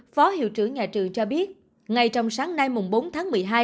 phó hiệu trưởng nhà trường cho biết ngay trong sáng nay bốn tháng một mươi hai